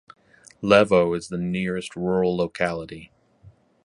Levo is the nearest rural locality.